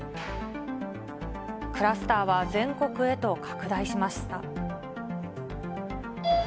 クラスターは全国へと拡大しました。